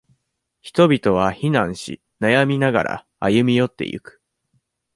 人々は非難し、悩みながら、歩み寄っていく。